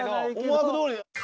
思惑どおりで。